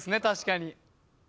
確かに。